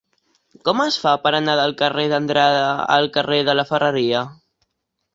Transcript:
Com es fa per anar del carrer d'Andrade al carrer de la Ferreria?